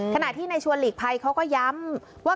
ขณะที่ในชวนหลีกภัยเขาก็ย้ำว่า